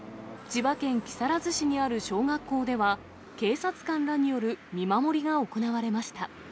千葉県木更津市にある小学校では、警察官らによる見守りが行われました。